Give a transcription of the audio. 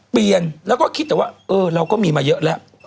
เปลี่ยนแล้วก็คิดแต่ว่าเออเราก็มีมาเยอะแล้ว